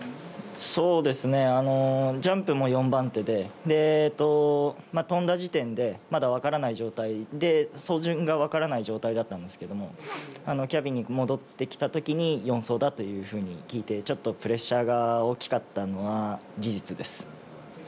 そうですね、ジャンプも４番手で、飛んだ時点でまだ分からない状態で、走順が分からない状態だったんですけれども、キャビンに戻ってきたときに、４走だというふうに聞いて、ちょっとプレッシャーが大きかったのは、事実です。